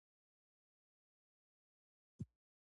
د انګلیسي ژبې زده کړه مهمه ده ځکه چې نړیوالې اړیکې اسانوي.